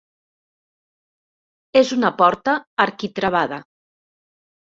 És una porta arquitravada.